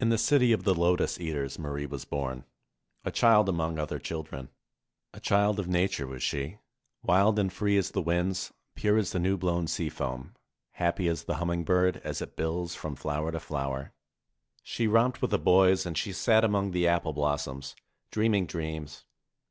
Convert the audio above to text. In the city of the Lotus eaters Marie was born, a child among other children. A child of Hature was she, wild and free as the winds, pure as the new blown sea foam, happy as the humming bird as it bills from flower to flower. She romped with the boys and she sat among the apple blossoms, dreaming dreams.